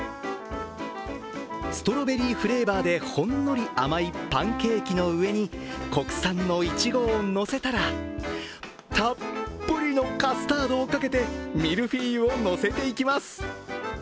ストロベリーフレーバーでほんのり甘いパンケーキの上に、国産のいちごをのせたらたっぷりのカスタードをかけてミルフィーユをのせていきます。